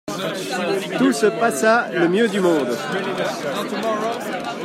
Tout se passa le mieux du monde.